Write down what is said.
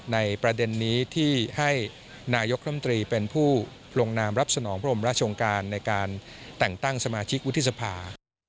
ในประเด็นนี้ที่ให้นายกรมตรีเป็นผู้ลงนามรับสนองพระรมราชงการในการแต่งตั้งสมาชิกวุฒิสภา